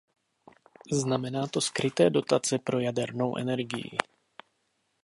Znamená to skryté dotace pro jadernou energii.